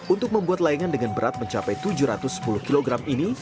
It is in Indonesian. untuk membuat layangan dengan berat mencapai tujuh ratus sepuluh kg ini